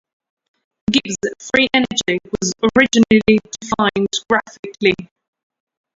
Gibbs free energy was originally defined graphically.